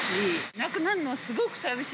なくなるのはすごく寂しい。